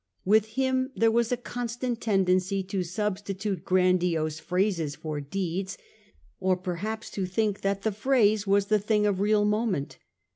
With him there was a constant tendency to substitute grandiose phrases for deeds ; or perhaps to think that the phrase was the thing of real moment.